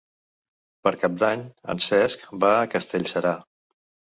Per Cap d'Any en Cesc va a Castellserà.